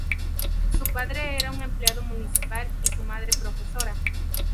Su padre era un empleado municipal y su madre profesora.